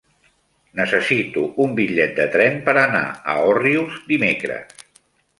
Necessito un bitllet de tren per anar a Òrrius dimecres.